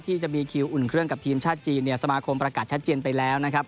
ที่จะมีคิวอุ่นเครื่องกับทีมชาติจีนเนี่ยสมาคมประกาศชัดเจนไปแล้วนะครับ